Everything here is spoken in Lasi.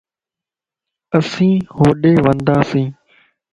اسين ھوڏي ونداسين